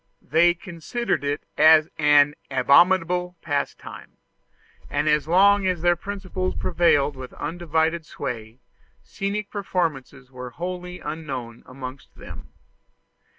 They considered it as an abominable pastime; and as long as their principles prevailed with undivided sway, scenic performances were wholly unknown amongst them.